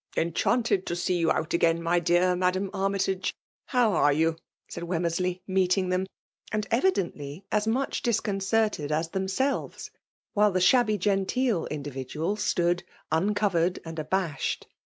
'* Enchanted to see you out i^ain, my dbtcr Madam Armytage ! how* are yotft^'SaST Wem mersley, meeting them, and evidently as muiA disconcerted as themselves ; while the shsitftyi genteeV individual stood uncovered and aBarii*' ed.